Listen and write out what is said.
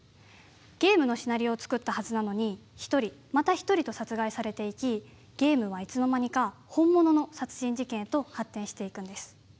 ゲームのシナリオを作ったはずなのに１人、また１人と殺害されていきゲームは、いつの間にか本物の殺人事件へと発展していくんです。